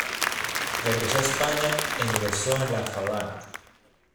Regresó a España e ingresó en la Falange.